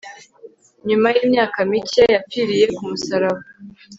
nyuma yimyaka mike mike, yapfiriye kumusaraba